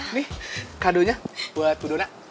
ini kado nya buat bu dona